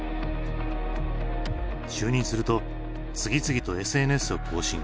就任すると次々とＳＮＳを更新。